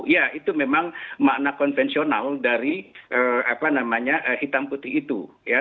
ya itu memang makna konvensional dari hitam putih itu